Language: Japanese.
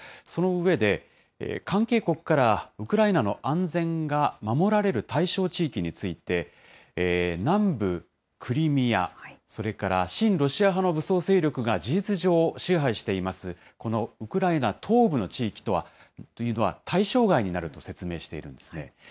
その上で、関係国からウクライナの安全が守られる対象地域について、南部クリミア、それから親ロシア派の武装勢力が事実上支配しています、このウクライナ東部の地域というのは、対象外になると説明しているんですね。